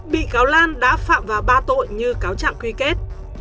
bị cáo lan đã phạm vào ba tội như cáo trạng quy kết